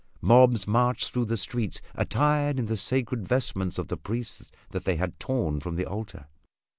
Mobs marched through the streets attired in the sacred vestments of the priests that they had torn from the altar.